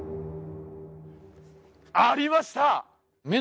ありました！